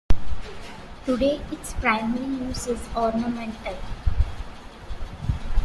Today its primary use is ornamental.